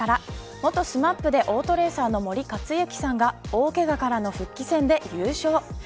元ＳＭＡＰでオートレーサーの森且行さんが大けがからの復帰戦で優勝。